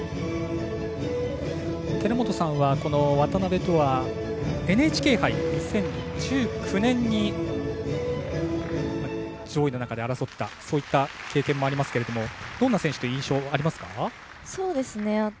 寺本さんは、渡部とはＮＨＫ杯、２０１９年に上位の中で争った経験もありますけどもどんな選手の印象がありますか？